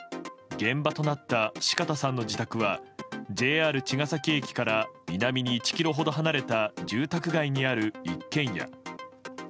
現場となった四方さんの自宅はＪＲ茅ケ崎駅から南に１ｋｍほど離れた住宅街にある一軒家。